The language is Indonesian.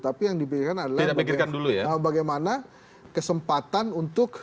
tapi yang diberikan adalah bagaimana kesempatan untuk